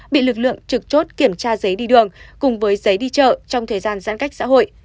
bị lực lượng trực chốt kiểm tra giấy đi đường cùng với giấy đi chợ trong thời gian giãn cách xã hội